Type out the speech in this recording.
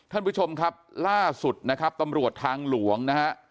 ท่านผู้ชมครับล่าสุดนะครับตำรวจทางหลวงนะฮะ